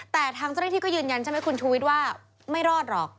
แต่ทางเจ้าหน้าที่ก็ยืนยันใช่ไหมคุณชูวิทย์ว่าไม่รอดหรอก